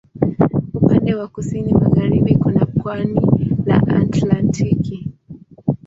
Upande wa kusini magharibi kuna pwani la Atlantiki.